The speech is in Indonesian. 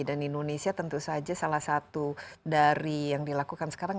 dan indonesia tentu saja salah satu dari yang dilakukan sekarang